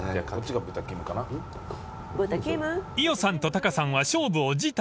［伊代さんとタカさんは勝負を辞退］